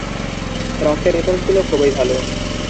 রক্তের রিপোর্টগুলো খুবই ভালো।